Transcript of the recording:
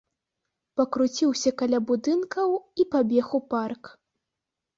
Пакруціўся каля будынкаў і пабег у парк.